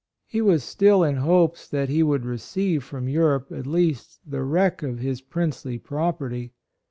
71 He was still in hopes that he would receive from Europe at least the wreck of his princely property.